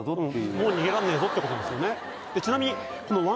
もう逃げらんねえぞってことですよね